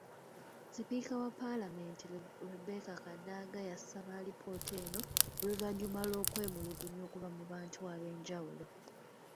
Sipiika wa palamenti Rebecca Kadaga yasaba alipoota eno oluvannyuma lw'okwemulugunya okuva mu bantu ab'enjawulo.